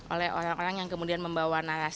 oleh orang orang yang kemudian membawa narasi